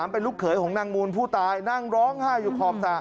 เป็นลูกเขยของนางมูลผู้ตายนั่งร้องไห้อยู่ขอบสระ